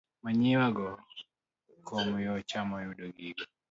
Manyiwa go komyo cham yudo gigo